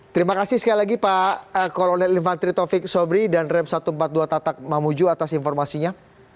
terima kasih sekali lagi pak kolonel infantri taufik sobri dan rem satu ratus empat puluh dua tatak mamuju atas informasinya